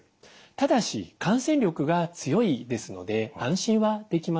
ただし感染力が強いですので安心はできません。